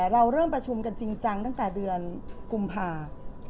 เราเริ่มประชุมกันจริงจังตั้งแต่เดือนกุมภา